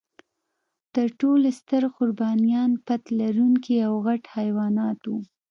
تر ټولو ستر قربانیان پت لرونکي او غټ حیوانات و.